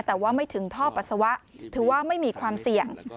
แต่ว่าไม่ถึงท่อปัสสาวะถือว่าไม่มีความเสี่ยง